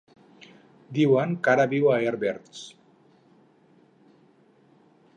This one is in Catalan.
Diuen que ara viu a Herbers.